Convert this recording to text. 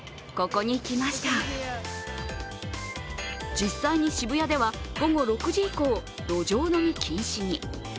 実際に渋谷では、午後６時以降路上飲み禁止に。